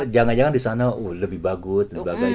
jangan jangan disana lebih bagus